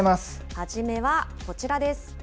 はじめはこちらです。